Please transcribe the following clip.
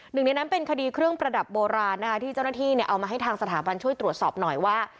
หนึ่งในนั้นเป็นคดีเครื่องประดับโบราณนะคะที่เจ้าหน้าที่เอามาให้ทางสถาบันช่วยตรวจสอบหน่อยว่า